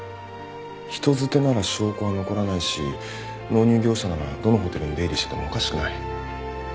人づてなら証拠は残らないし納入業者ならどのホテルに出入りしててもおかしくない。